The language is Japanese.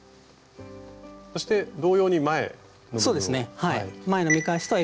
そして同様に前の部分を。